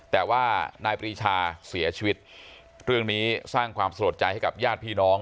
แต่ว่านายปรีชาเสียชีวิตเรื่องนี้สร้างความสะลดใจให้กับญาติพี่น้อง